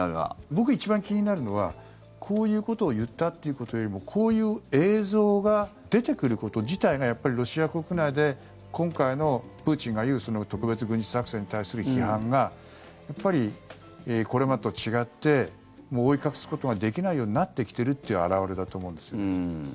僕、一番気になるのはこういうことを言ったということよりもこういう映像が出てくること自体がやっぱり、ロシア国内で今回のプーチンが言う特別軍事作戦に対する批判がこれまでと違って覆い隠すことができないようになってきているという表れだと思うんですよね。